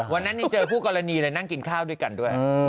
วันนั้นยังเจอคู่กรณีเลยนั่งกินข้าวด้วยกันด้วย